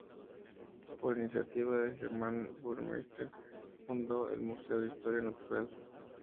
Por iniciativa de Germán Burmeister fundó el Museo de Historia Natural.